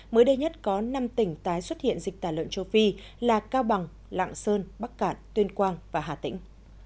mới đây nhất có năm tỉnh tái xuất hiện dịch tả lợn châu phi là cao bằng lạng sơn bắc cạn tuyên quang và hà tĩnh